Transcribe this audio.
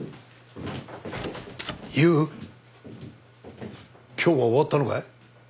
悠今日は終わったのかい？